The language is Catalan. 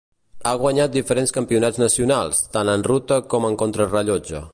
Ha guanyat diferents campionats nacionals, tant en ruta com en contrarellotge.